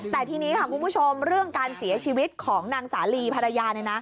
แต่ทีนี้ค่ะคุณผู้ชมเรื่องการเสียชีวิตของนางสาลีภรรยา